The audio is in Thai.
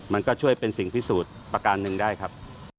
มันก็ช่วยเป็นสิ่งพิสูจน์ประการหนึ่งได้ครับ